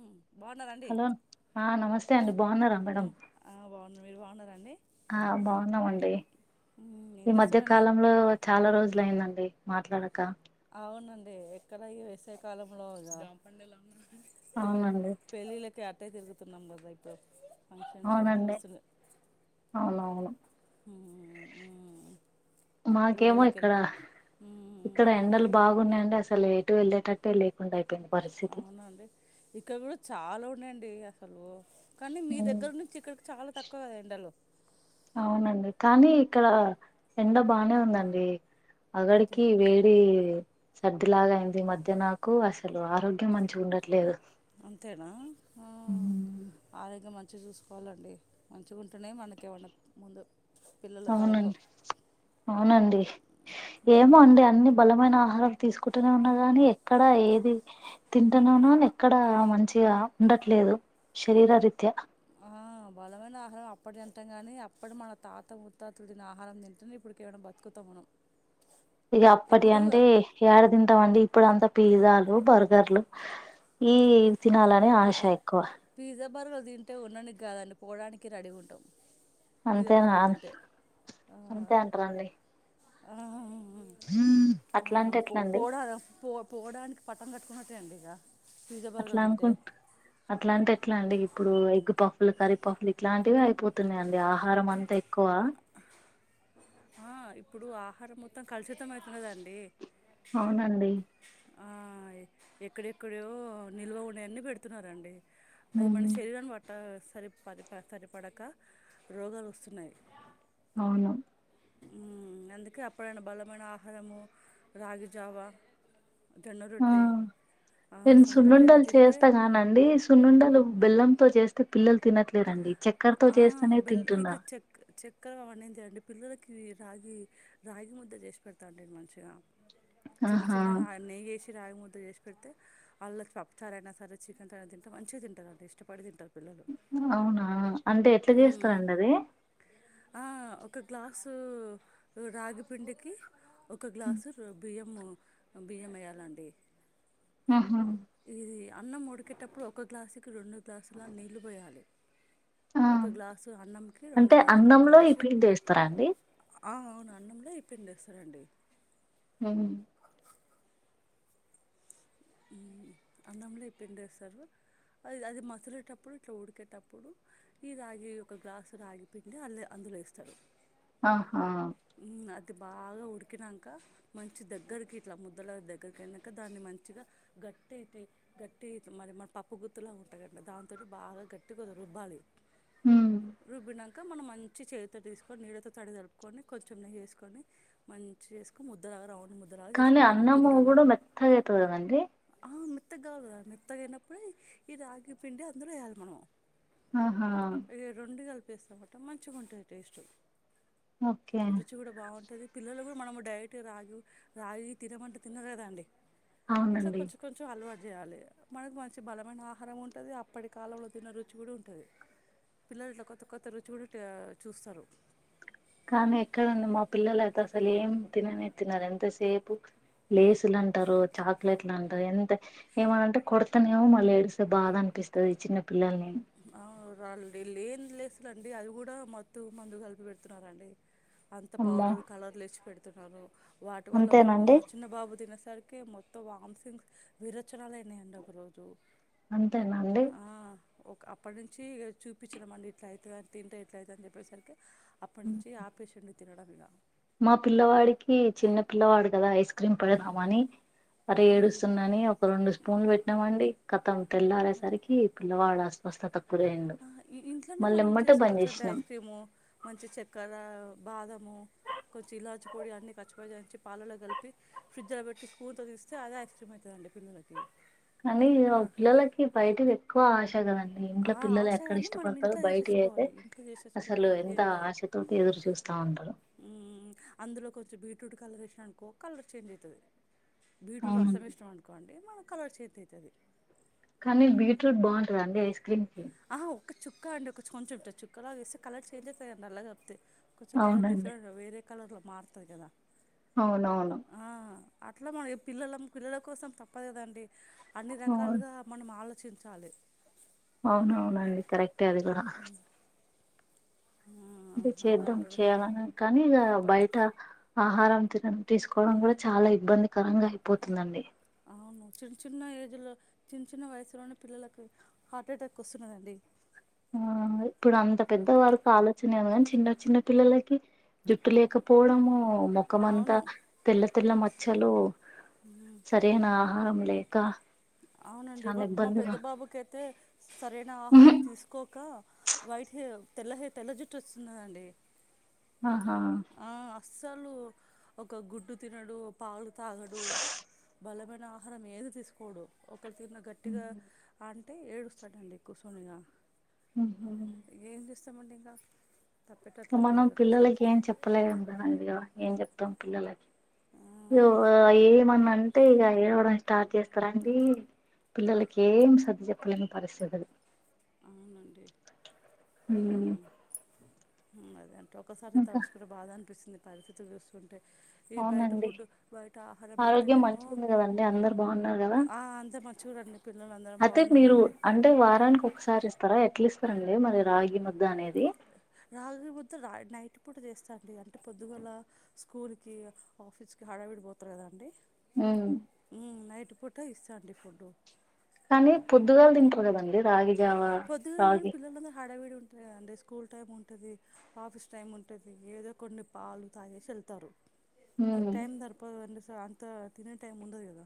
మ్ బాన్నారండి హలో ఆ నమస్తే అండి బాగున్నారా మేడమ్ ఆ బాగున్నామ్ మీరు బాగున్నారండి ఆ బాగున్నామండి ఉమ్, ఏం ఈ మధ్య చేస్తున్నారండి కాలంలో చాలా రోజులు అయింది అండి మాట్లాడక అవునండి ఇక్కడ వేసావి కాలంలో ఇగ పె అవునండి పెళ్ళిళ్ళకి అట్టే తిరుగుతున్నాం కదా ఇప్పుడు ఫంక్షన్స్ అవే అవునండి వస్తున్నాయి అవును అవును హ్మ్ ఉహు మాకేమో ఇక్కడ ఇక్కడ ఎండలు బాగున్నాయిండి అసలు ఎటు వెళ్ళేటట్ తెలియకుండా అవునా అండి ఇక్కడ కూడా చాలా ఉన్నాయండి అసలు కానీ మీ ఉమ్, దగ్గర నుంచి ఇక్కడికి చాలా తక్కువ కదా ఎండలు అవునండి కాని ఇక్కడ ఎండ బానే ఉందండి అంతే అక్కడికీ వేడి సర్ది లాగా అయింది ఈ మధ్య నాకు అసలు ఆరోగ్యం మంచిగా ఉండట్లేదు అంతేనా ఆ ఉమ్, ఆరోగ్యం మంచిగా చూసుకోవాలండి మంచిగా ఉంటేనే మనకి ఏమైనా ముందు పిల్లల అవును తరంలో అవునండి ఏమో ఉమ్, అండి అన్ని బలమైన ఆహారాలు తీసుకుటూనే ఉన్నా కాని ఎక్కడా ఏది తింటనే ఉన్నానండి ఏక్కడా మంచిగా ఉండట్లేదు శరీర రీత్యా ఆ బలమైన ఆహారం అప్పుడు తింటాం కాని అప్పుడు మన తాత ముత్తాతలు తినే ఆహారం తింటేనే ఇప్పుడు ఎమైన బతుక్కుతం మనం ఇగ అప్పటి ఇప్పుడు అంటే ఏడ తింటాం అండి ఇప్పుడు అంత పిజాలు బర్గర్లు ఈ తినాలనే కా- ఆశ ఎక్కువ పిజ్జా బర్గర్ తింటే ఉన్నడానికి కాదండీ పోవడానికి రెడీ గా ఉంటాం పిజ్జా అంతే నా బర్గర్లు తింటే ఆ, అంతే అంటారరండి ఆ ఆ అట్లా అంటే పో ఎట్లా అండి పోడారం పో పోవడానికి పటం కట్టుకున్నట్టే అండి ఇక పిజ్జా అట్లా బర్గర్ తింటే అనుకుంట్ అట్లాంటే ఎట్లా అండి ఇప్పుడు ఎగ్గు పఫ్ కరీపఫ్లు ఇట్లాంటివి అయిపోతున్నాయి అండి ఆహారం అంతా ఎక్కువ ఆ ఇప్పుడు ఆహారం మొత్తం కలుషితం అవుతున్నదండి అవునండి ఎక్కడెక్కడీయో నిల్వ ఉన్నా అన్నీ పెడుతున్నారండి అది ఉమ్, మన శరీరాన్ని పట్ట సరిపరి సరిపడక రోగాలు వస్తున్నాయి అవును ఉ అందుకే అప్పుడైనా బలమైన ఆహారము రాగిజావ జొన్న ఆ రొట్టె ఆ సంగటి అవి తింటే అంటే సున్నుండలు బెల్లంతొ చేస్తే పిల్లలు తినట్లేదండి చక్కర్తో ఆ! చేస్తేనే బెల్ల ఇక తింటున్నారు చెక్ చక్కెర అవన్నీ చేయండి పిల్లలకి రాగి రాగి ముద్ద చేసి పెడతాండి మంచిగా చిన్న ఆహా చిన్న నా నెయ్యేసి రాగి ముద్ద చేసి పెడితే అల్లకు పప్పు చారు అయినా సరే చికెన్తో అయిన తింటే మంచిగా తింటారు ఇష్టపడి తింటారు పిల్లలు. అవునా అంటే ఎట్లా హ్మ్. చేస్తారండి అది ఒక గ్లాసు రాగిపిండికి ఒక గ్లాసు బియ్యము బియ్యం వేయాలండి ఆహ ఇది అన్నం ఉడికేటప్పుడు ఒక గ్లాసుకి రెండు గ్లాసులా దాకా నీళ్ళు పోయాలి ఆ ఒక గ్లాసు అన్నంకి రెండు అంటే గ్లాసు నీళ్ళు అన్నంలో ఈ పోసి పిండి వేస్తారా అండి ఆ అవును అన్నంలో ఈ పిండేస్తారండి ఉమ్ అన్నంలో ఈ పిండేస్తారు అది అది మసిలేటప్పుడు ఇట్లా ఉడికేటప్పుడు ఈ రాగి ఒక గ్లాసు రాగి పిండి అందు అందులో ఎస్తారు ఆహా ఉ అది బాగా ఉడికినాంక మంచి దగ్గరికి ఇట్లా ముద్దల దగ్గరికి అయినాక దాన్ని మంచిగా గట్టి అయితే గట్టి మరి మన పప్పు గుత్తులా ఉంటాందిండి దాంతోటి బాగా గట్టిగా అది రుబ్బాలి ఉమ్. రుబ్బిన క్ ఇంకా మనం మంచి చేతితోటి తీసుకొని నీళ్ళతో తడి తడుపుకొని కొంచె నెయ్యి వేసుకొని మంచి చేసుకో ముద్దలాగా రౌండ్ ముద్ద కానీ అన్నము కూడా మెత్తగా అయితుంది కదండీ ఆ మెత్తగా కావాల కదా మెత్తగా అయినప్పుడే ఈ రాగి పిండి అందులో వేయాలి మనం ఆహా ఇ రెండు కలిపేస్తామంట మంచిగా ఉంటుంది టేస్ట్ ఓకే రుచి కూడా బాగుంటుంది పిల్లలు కూడా మనం డైరెక్ట్ రాగి రాగి తినమంటే తిన కదా అండి ఇట్లా అవునండి కొంచెం కొంచెం అలవాటు చేయాలి మనకు మంచి బలమైన ఆహారం ఉంటుంది అప్పటి కాలంలో తిన్న రుచి కూడా ఉంటుంది పిల్లలలు ఇట్లా కొత్త కొత్త రుచి కూడా టె చూస్తారు కానీ ఎక్కడ అండి మా పిల్లల అయితే అసలు ఏం తిననే తినరు ఎంతసేపు లేసులు అంటారు చాక్లెట్లు అంటారు ఎంత ఏమనింటే కొడతనేమో మళ్ళీ ఏడిస్తే బాధ అనిపిస్తుంది ఈ చిన్న పిల్లల్ని ఆ రాలండి ఏం లేస్లుండి అది కూడా మత్తు మందు కలిపి పెడుతున్నారండి అంత అమ్మో పౌడరు కలర్లు లేచి పెడుతున్నారు వాటి వల్ల ఒక అంతేనండి మా చిన్నబాబు తినేసరికి మొత్ తో వాంసింగ్ విరేచనలు అయినాయండి ఒక రోజు అంతేనండి ఆ ఒక అప్పటి నుంచి చూపించినాంమండి ఇట్లా అవుతుంది అని తింటే ఎట్లా అవుతుందని చెప్పేసరికి అప్పుడు నుంచి ఆపేసిండు తినడం ఇగ మా పిల్లవాడికి చిన్న పిల్లవాడు కదా ఐస్ క్రీమ్ పెడదామని అరే ఉమ్. ఏడుస్తుండు అని ఒక రెండు స్పూన్లు పెట్టినామండి కతం తెల్లరే సరికి పిల్లవాడు అస్ వస్తా తక్కువ అయింది ఆ ఇ ఇంట్లోనే మనం చేసుకోవచ్చుంటే ఐస్ క్రీము మంచిగా చక్కెర బాదము కొంచెం ఇలాచి పొడి అన్నీ కచ్చిపచ్చా దంచి పాలల్లో కలిపి ఫ్రిడ్జ్ లో పెట్టి స్పూన్ తో తీస్తే అదే ఐస్ క్రీమ్ అయితది అండి పిల్లలకి కానీ ఆ పిల్లలకి బయటది ఎక్కువ ఆశా కదండి ఇంట్లో ఆ పిల్లలు ఎక్కడ ఆశయాన్ని మనం ఇష్టపడతారు ఇంట్లో బయటివీ అయితే చేసేసుకోవాలి ఇంట్లో చేసేసుకుంటే అసలు ఎంత ఆసక్తి తుటి ఎదురు చూస్తా ఉంటారు మ్ అందులో కొంచెం బీట్రూట్ కలర్ ఏసినామనుకో కలర్ చేంజ్ అయితాది బీట్రూట్ రసం అవునండి ఏసినాము అనుకోండి మనకి కలర్ చేంజ్ అయతది కానీ బీట్రూట్ బాగుంటాది అండి ఐస్ క్రీమ్ కి ఆహా ఒక్క చుక్క అండి కొంచెం టచుక్కాలా వేస్తే కలర్ చేంజ్ అయితది అండి అలా నల్లగా అయితే కొంచెం కలర్ అవునండి డిఫరెంట్ వేరే కలర్లో మారుతాది కదా అవునవును ఆ అట్లా మనం పిల్లలం పిల్లల కోసం తప్పదు కదండి అన్ని అవును రకాలుగా మనం ఆలోచించాలి అవునవును అండి కరెక్టే అది కూడా ఉ చేద్దాం దాంట్లో చేయాలని కానీ ఇగ తప్పట్లా బయట ఆహారం తిన తీసుకోవడం కూడా చాలా ఇబ్బందికరంగా అయిపోతుందండి అవును చిన్న చిన్న ఏజ్లో చిన్న చిన్న వయసులోనే పిల్లలకు హార్ట్ అటాక్ వస్తున్నది అండి ఆ ఇప్పుడు అంత పెద్ద వారికి ఆలోచన ఎమో కాని చిన్న చిన్న పిల్లలకి జుట్టు లేకపోవడము మొ మొఖమంత అవును తెల్ల తెల్ల మచ్చలు ఉమ్. సరైన ఆహారం లేక అవునండి చాలా మా మా పెద్ద ఇబ్బందిగా బాబుకైతే సరైన ఆహారం తీసుకోక వైట్ హెర్ తెల్ల హర్ తెల్ల జుట్టు వస్తున్నది అండి ఆహా ఆ అస్సలు ఒక గుడ్డు తినడు ఓ పాలు తాగడు బలమైన ఆహారం ఏది తీసుకు కోడు ఒకరు తిను అని గట్టిగా అంటే ఏడుస్తాడండి కూర్చొని ఇగ ఊహు ఏం చేస్తామండి ఇంగ మనం పిల్లలకి ఏం చెప్పలేము కదండి ఏం చెప్తాం పిల్లలకి ఆ, యో ఏమన్నా అంటే ఇగ ఏడవడమే స్టార్ట్ చేస్తారండి పిల్లలకి ఏం సర్ది చెప్పలేని పరిస్థితి అది అవునండి ఉ ఉ అదే నండి ఒక్కసారి ఇంకా తలుచుకుంటే బాధ అనిపిస్తుంది పరిస్థితులు చూస్తుంటే ఈ బయట అవునండి ఫుడ్ బయట ఆహారం పెడితే ఆరోగ్యం నేమో మంచిగుంది కదండి అందరు బాగున్నారు కదా ఆ అంత మరి చూడండి పిల్లల అందరం అయితే మీరు బాగున్నామండి అంటే వారానికి ఒకసారి ఇస్తారా ఎట్లా ఇస్తారండి మరి రాగి ముద్ద అనేది రాగి ముద్ద రా నైట్ పూట చేస్తా అండి అంటే పొద్దుగుల స్కూల్కి ఆఫీస్కి హడవిడిపోతారు కదండి ఊ ఉ నైట్ పూట ఇస్తా అండి ఫుడ్ కానీ పొద్దుగాల తింటారు కదండి రాగి జావా పొద్దుగాల రాగి పిల్లలతోని హడవిడి ఉం టే అంటే స్కూల్ టైం ఉంటుంది ఆఫీస్ టైం ఉంటుంది ఏదో కొన్ని పాలు తాగేసి వెళ్తారు ఉమ్, టైమ్ సరిపోదు వెళ్లేసరి అంత తినే టైమ్ ఉండదు కదా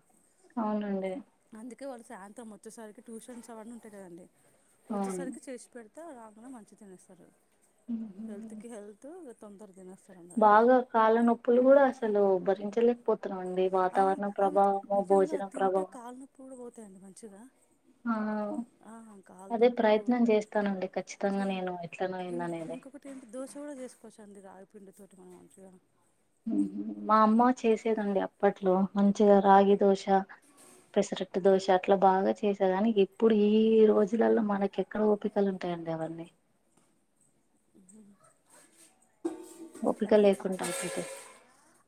అవునండి అందుకే వాళ్ళు సాయంత్రం వచ్చేసరికి ట్యూషన్స్ అవన్నీ ఉంటాయి కదండి అవును వచ్చేసరికి చేసి పెడతా త రాంగానే మంచిగా తినేస్తారు ఉ హల్త్కి హల్త్ ఇగ తొందర దినేస్త బాగా కాళ్ల నొప్పులు కూడా అసలు భరించలే తున్నాండి ఆ వాతావరణం ప్రభావము భోజనం ప్రభావం ప్పులు పోతాయండి మంచిగా ఆ ఆవ్ ఆ కాళ్ళ అదే నొప్పులు ప్రయత్నం చేస్తానండి ఖచ్చితంగా నేను ఎట్లనే పోయింది అనేది ఇ దోశ కూడా చేసుకోవచ్చు అండి రాగి పిండి తోటి మనం మంచిగా మా అమ్మ చేసేదండి అప్పట్లో మంచిగా రాగి దోశ పెసరట్ దోశ అట్లా బాగా చేసాదాని ఇప్పుడు ఈ రోజు ల్లల్లో మనకి ఎక్కడ ఓపికలు ఉంటాయండి అవన్నీ ఓపిక అదే అప్ప లేకుండా అయిపోతది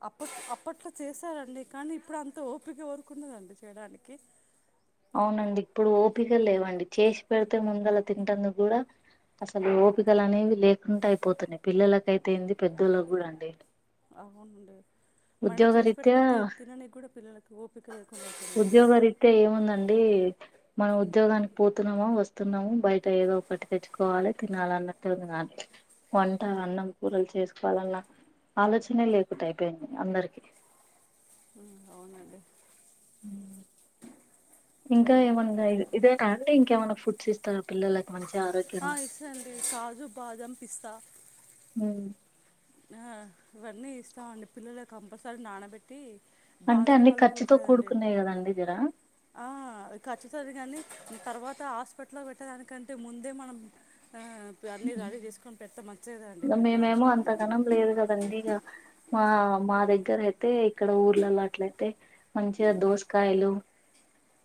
అప్పట్ అప్పట్లో చేశారండి కానీ ఇప్పుడు అంత ఓపిక ఎరుకున్నదండి చేయడానికి అవునండి ఇప్పుడు ఓపిక లేవండి చేసి పెడితే ముందలా తింటందు గుడా అసలు ఓపికలు అనేవి లేకుండా అయిపోతున్నాయి పిల్లలకు అయితేయింది పెద్దోళ్ళ గుడా అండి అవునుండి మనం చేసి ఉద్యోగరీత్యా పెట్లాప్పు కూడా త తినడానికి కూడా పిల్లలకి ఓపిక లేకుండా అవుతుందండి ఉద్యోగ రీతే ఏముందండి మనం ఉద్యోగానికి పోతున్నామో వస్తు తునము బయట ఏదో ఒకటి తెచ్చుకోవాలి తినాలి అన్నట్టు ఉంది నాను వంట అన్నం కూరలు చేసుకోవాలన్న ఆలోచనే లేకుండా అయిపోయింది అందరికి ఉమ్, అవునండి ఇంకా అదే ఏమన్నా ఇదేనా అంటే ఇంకేమన్నా ఫుడ్స్ ఇస్త తర పిల్లలకు మంచి ఆరోగ్యంగా ఇత్తండి కాజు బాదం పిస్తా ఉ ఆ ఇవన్నీ ఇస్తామండి పిల్లల కంపల్సరీ నానబెట్టి అంటే బాదం అన్ని పలుకులు ఖర్చుతో ఉంటాయి కదండి కూడుకున్నాయి కదండి జరా ఆ ఖచ్చితది కానీ తర్వాత హాస్పిటల్లో పెట్టేదానికంటే ముందే మనం ఆ అన్ని రడీ చేసుకొని పెడతా మంచిది కదండి ప్రిపేర్ చేసి పెడతా లేదుకదండి మా మా దగ్గర అయితే ఇక్కడ ఊర్లలాట్లయితే మంచిగా దోసకాయలు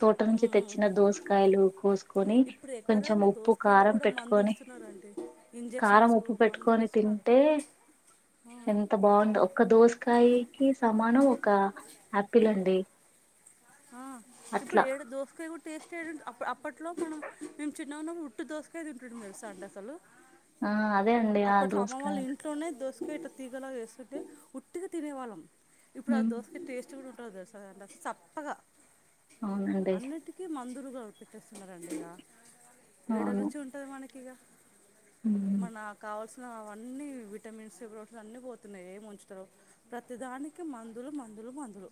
తోట నుంచి ఉమ్ తెచ్చిన దోసకాయలు కోసు కోని ఇప్పుడు కొంచెం ఎక్కడండి ఉప్పు దోసకాయలు కారం కూడా మందు పెట్టుకొని ఇస్తున్నారండి కారం ఇంజెక్షన్స్ ఉప్పు మందులు పెట్టుకొని తి ఇస్తున్నారు టే ఆ ఎంత బాగుందొ ఒక దోసకాయకి సమానం ఒక ఆపిల్ అండి ఆ ఇప్పుడు అట్లా ఏడ దోసకాయ కు టేస్ట్ ఏడు అప్ అప్పట్లో మనం మేము చిన్నగా ఉన్నప్పుడు ఉట్టు దోసక తింటుం తెలుసా అండి అసలు ఆ అదే అండి ఆ అప్పట్లో అమ్మవాళ్ళు దోసకాయలు ఇంట్లోనే దోశకా ఇట్లా తీగలా వేస్తుంటే ఉట్టిగా తినేవాళ్ళం ఇప్పుడు ఆ ఉమ్ దోశకా టేస్ట్ కూడా ఉ ఎట్లుందో తెలుసా సప్పగా అవునండి అన్నిటి కి మందురుగా పెట్టేస్తున్నరండి ఇగ ఏడ అవును రుచి ఉంటది మనకిగా. ఉమ్ మనా కావాల్సి నావన్నీ విటమిన్స్, ప్రోటిన్ అన్ని పోతున్నయి ఏం ఉంచుతలేవు. ప్రతిదానికి మందులు, మందులు, మందులు.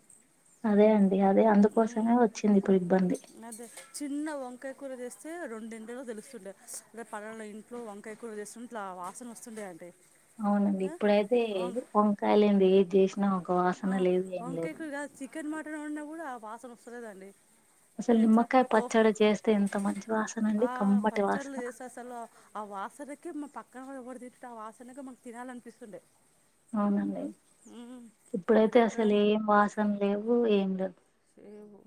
అదే అండి అదే మ్మ్. అందుకోసమే వచ్చింది ఇప్పుడు ఇబ్బంది. అదే చిన్న వంకాయ కూర చేస్తే రొండింటిలో తెలుస్తుండే అదే పలాన ఇం ట్లో వంకాయ కూర చేస్తు ఇట్లా వాసన వస్తుండే అంటే. అవునండి ఆ? ఇప్పుడైతే వం- వంకాయలేంది ఏది చేసినా ఒక వాసన ఆ లేదు ఏం వంకాయ లేదు. కూర కాదు చికెన్, మటన్ వండినా కూడా వాసన వస్తలేదండి. అసలు తెల్సా నిమ్మకాయ ఓ పచ్చడి చేస్తే ఎంత మంచి వాసన అండి ఆ కమ్మటి పచ్చడ్లు వాసన చేస్తే అస అసలు ఆ వాసనకే మా పక్కన వాళ్లు కూడా [unintelligible] ఆ వాసనకే మాకు తినాలి అనిపిస్తుండే. అవునండి ఇప్పుడు ఇప్పుడైతే అసలు ఎక్కడండి ఏం వాసన లేవు ఏం లేవు. లేవు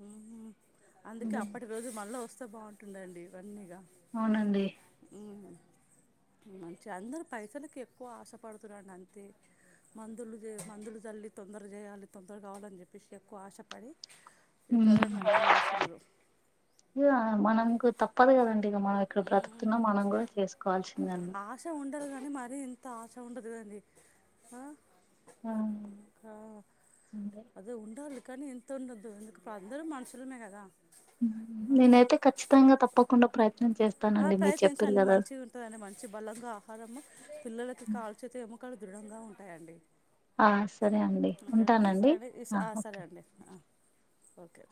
అందుకే అప్పటి రోజులు మళ్ళా వస్తే బావుంటుందండి ఇవన్నీగా. అవునండి. మంచిగా అందరు పైసలకి ఎక్కువ ఆశపడుతున్నరండి అంతే. మందులు చే మందులు చల్లి తొందర చేయాలి, తొందర కావాలని చెప్పేశి ఎక్కువ ఆశపడి ప్రజలను అన్యాయం చేస్తున్నరు. ఇగ మనకు తప్పదు కదండి ఇగ మనం ఇక్కడ బ్రతుకుతున్నం మనం కూడా చేసుకోవాల్సిందే అండి. ఆశ ఉండాలి కానీ మరి ఇంత ఆశ ఉండద్దు కదండి. అంతే ఆ అదే ఉండాలి. కనీ ఇంత ఉండద్దు ఎందుకు ఇప్పుడు అందరం మనుషులమే కదా. నేనైతే ఖచ్చితంగా తప్పకుండా ప్రయత్నం చేస్తానండి మీరు చెప్పిర్రు కదా. తో అయినా మంచి బలంగా ఆహారము పిల్లలకి కాల్చేతి ఎముకలు దృఢంగా ఉంటాయండి. ఆ సరే అండి ఒకేనా ఉంటానండి సరేనా ఇ స ఓకే సరే అండి ఓకే.